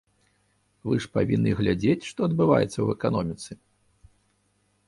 Вы ж павінны глядзець, што адбываецца ў эканоміцы.